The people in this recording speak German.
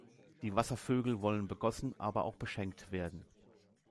Die Wasservögel wollen begossen, aber auch beschenkt werden.